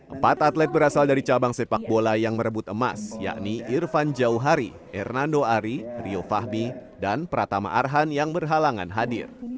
empat atlet berasal dari cabang sepak bola yang merebut emas yakni irfan jauhari hernando ari rio fahmi dan pratama arhan yang berhalangan hadir